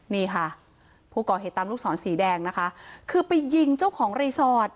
นี่ค่ะผู้ก่อเหตุตามลูกศรสีแดงนะคะคือไปยิงเจ้าของรีสอร์ท